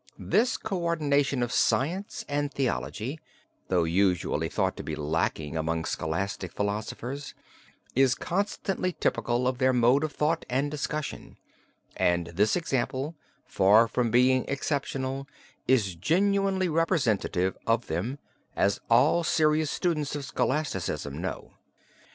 This coordination of science and theology, though usually thought to be lacking among scholastic philosophers, is constantly typical of their mode of thought and discussion, and this example, far from being exceptional, is genuinely representative of them, as all serious students of scholasticism know.